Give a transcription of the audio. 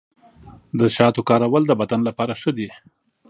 د شاتو کارول د بدن لپاره ښه دي.